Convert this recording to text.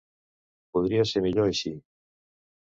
Podria ser millor així.